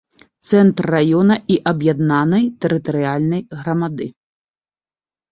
Цэнтр раёна і аб'яднанай тэрытарыяльнай грамады.